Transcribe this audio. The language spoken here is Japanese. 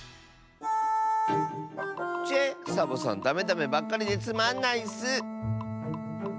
ちぇっサボさんダメダメばっかりでつまんないッス。